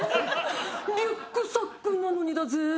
リュックサックなのにだぜぇ。